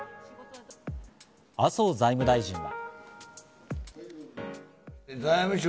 麻生財務大臣は。